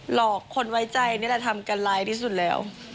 หลอกคนไว้ใจนี่แหละทำกันร้ายที่สุดแล้ว